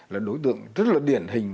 là đối tượng rất điển hình